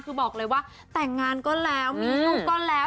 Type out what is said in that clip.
คือบอกเลยว่าแต่งงานก็แล้วมีลูกก็แล้ว